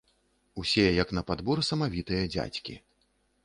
Усе, як на падбор, самавітыя дзядзькі.